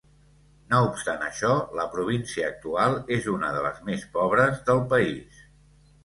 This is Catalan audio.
No obstant això, la província actual és una de les més pobres del país.